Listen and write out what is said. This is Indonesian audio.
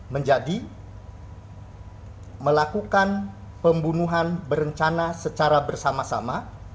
menjadi melakukan pembunuhan berencana secara bersama sama